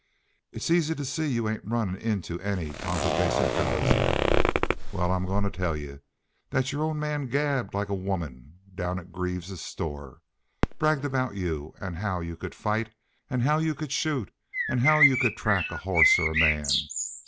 "It's easy to see you ain't run into any Tonto Basin fellers yet. Wal, I'm goin' to tell you thet your old man gabbed like a woman down at Greaves's store. Bragged aboot you an' how you could fight an' how you could shoot an' how you could track a hoss or a man!